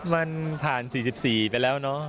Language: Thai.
มันผ่าน๔๔ไปแล้วเนอะ